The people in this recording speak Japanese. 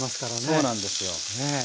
そうなんですよ。